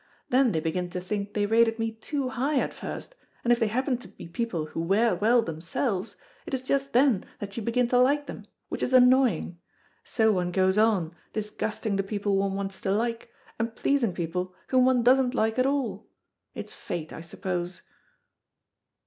Then they begin to think they rated me too high at first, and if they happen to be people who wear well themselves, it is just then that you begin to like them, which is annoying. So one goes on, disgusting the people one wants to like, and pleasing people whom one doesn't like at all. It's fate, I suppose."